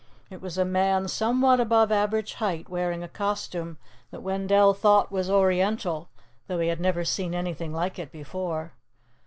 It was a man somewhat above average height, wearing a costume that Wendell thought was oriental, though he had never seen anything like it before.